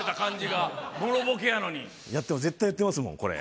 でも絶対やってますもんこれ。